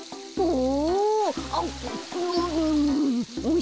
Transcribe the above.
お！？